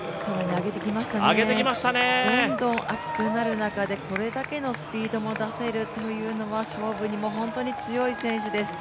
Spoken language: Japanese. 上げてきましたどんどん暑くなる中でこれだけのスピードを出せるというのは勝負にも本当に強い選手です。